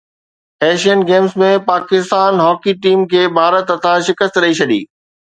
Asian Games ۾ Pakistan hockey team کي ڀارت هٿان شڪست ڏئي ڇڏي